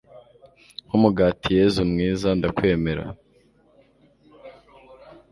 nk'umugati yezu mwiza ndakwemera